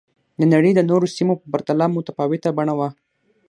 د نړۍ د نورو سیمو په پرتله متفاوته بڼه وه